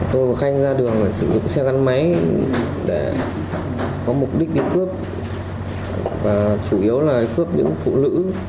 tôi và khanh ra đường sử dụng xe gắn máy để có mục đích đi cướp và chủ yếu là cướp những phụ nữ